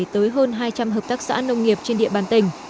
tới hơn hai trăm linh hợp tác xã nông nghiệp trên địa bàn tỉnh